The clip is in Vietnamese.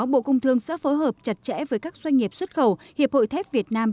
bộ công thương sẽ phối hợp chặt chẽ với các doanh nghiệp xuất khẩu hiệp hội thép việt nam